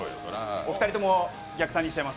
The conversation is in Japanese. お二人とも逆三にしちゃいます。